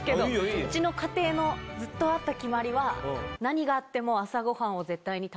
うちの家庭のずっとあった決まりは何があっても。